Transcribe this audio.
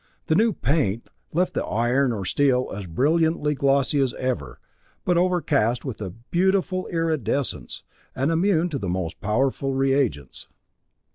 The new "paint" left the iron or steel as brilliantly glossy as ever, but overcast with a beautiful iridescence, and immune to the most powerful reagents.